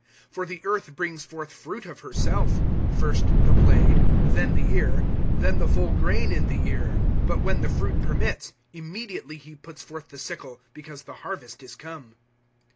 (28)For the earth brings forth fruit of herself; first the blade, then the ear, then the full grain in the ear. (29)But when the fruit permits, immediately he puts forth the sickle, because the harvest is come.